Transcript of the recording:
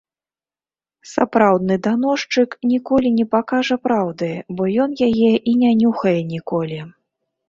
Сапраўдны даносчык ніколі не пакажа праўды, бо ён яе і не нюхае ніколі.